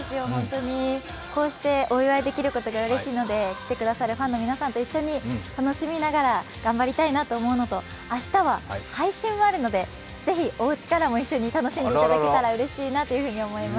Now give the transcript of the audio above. こうしてお祝いできることがうれしいので、来てくださるファンの皆さんと一緒に楽しみながら頑張りたいなと思うのと明日は配信もあるので、ぜひ、おうちからも一緒に楽しんでいただけたらうれしいなと思います。